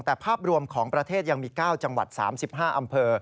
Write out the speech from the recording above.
แต่ภาพรวมของประเทศยังมี๙จังหวัด๓๕อำเภอ